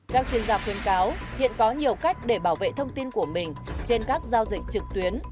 chính giả khuyên cáo hiện có nhiều cách để bảo vệ thông tin của mình trên các giao dịch trực tuyến